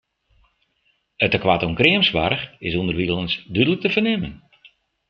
It tekoart oan kreamsoarch is ûnderwilens dúdlik te fernimmen.